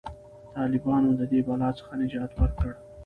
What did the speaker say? طالبانو د دې بلا څخه نجات ورکړ.